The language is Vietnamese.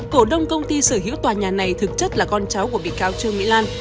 cổ đông công ty sở hữu tòa nhà này thực chất là con cháu của bị cáo trương mỹ lan